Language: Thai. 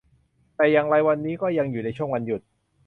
แต่อย่างไรวันนี้ก็ยังอยู่ในช่วงวันหยุด